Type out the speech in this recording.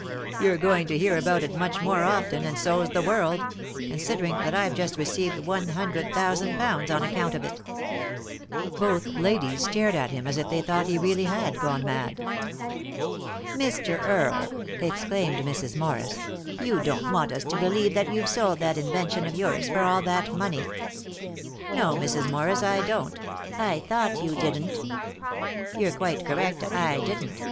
" You're going to hear about it much more often, 320 3i 9 iii^d by Google THE INTERRUPTED KISS and so's the world — considering that I've just received one hundred thousand pounds on account of it." Both ladies stared at him as if they thought that he really had gone mad. "Mr. Earle," exclaimed Mrs. Morris, "you don't want us to believe that you've sold that invention of yours for all that money ?" "No, Mrs. Morris, I don't." " I thought you didn't." "You're quite correct ; I didn't.